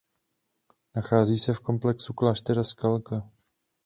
Nachází se v komplexu kláštera Skalka.